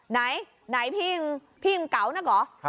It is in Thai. ไหนพี่อิงเก๋านะห์